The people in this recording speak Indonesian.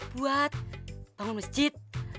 buat bangun masjid